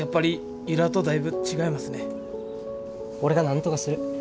俺がなんとかする。